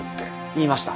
言いました。